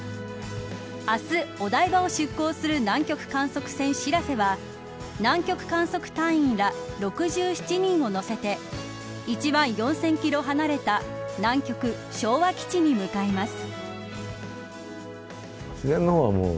明日お台場を出港する南極観測船、しらせは南極観測隊員ら６７人を乗せて１万４０００キロ離れた南極昭和基地に向かいます。